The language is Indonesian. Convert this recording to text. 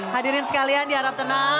hadirin sekalian di harap tenang